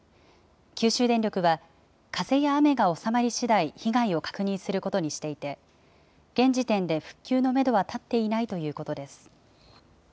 九州電力は、風や雨が収まりしだい、被害を確認することにしていて、現時点で復旧のメドは立っていないということです。